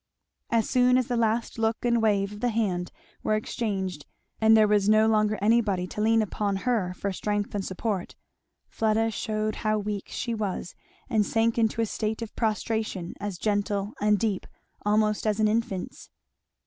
As soon as the last look and wave of the hand were exchanged and there was no longer anybody to lean upon her for strength and support, Fleda shewed how weak she was, and sank into a state of prostration as gentle and deep almost as an infant's.